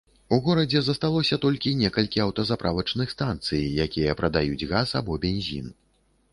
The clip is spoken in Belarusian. У горадзе засталося толькі некалькі аўтазаправачных станцый, якія прадаюць газ або бензін.